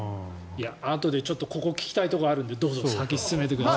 あとで聞きたいところがあるのでどうぞ、先に進めてください。